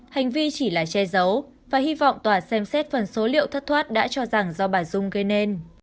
hành vi chỉ là che giấu và hy vọng tòa xem xét phần số liệu thất thoát đã cho rằng do bà dung gây nên